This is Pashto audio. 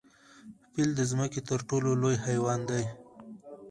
پیل د ځمکې تر ټولو لوی حیوان دی